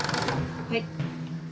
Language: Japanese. はい。